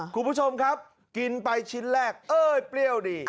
คุณผู้ชมครับกินไปชิ้นแรกเอ้ยเปรี้ยวดี